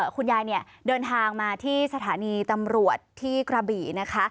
คุณยายเดินทางมาที่สถานีตำรวจที่กระบี่นะคะ